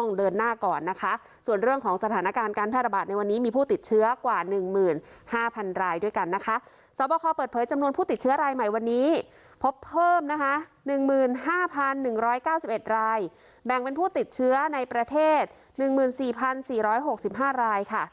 หนึ่งร้อยเก้าสิบเอ็ดรายแบ่งเป็นผู้ติดเชื้อในประเทศหนึ่งหมื่นสี่พันสี่ร้อยหกสิบห้ารายค่ะ